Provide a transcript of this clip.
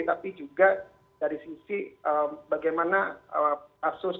tapi juga dari sisi bagaimana kasus